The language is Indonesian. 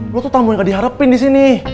lo tuh tamu yang gak diharapin disini